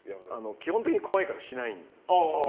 基本的に怖いからしないんです。